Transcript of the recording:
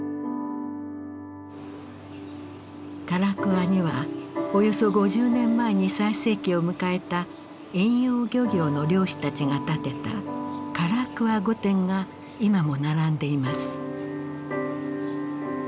唐桑にはおよそ５０年前に最盛期を迎えた遠洋漁業の漁師たちが建てた唐桑御殿が今も並んでいます。